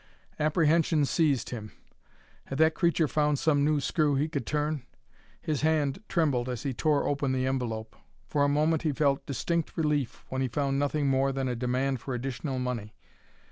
Apprehension seized him. Had that creature found some new screw he could turn? His hand trembled as he tore open the envelope. For a moment he felt distinct relief when he found nothing more than a demand for additional money.